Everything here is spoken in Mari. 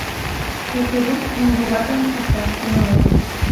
Кечыгут «иҥгуватырым пӱкташ» тӱҥалеш.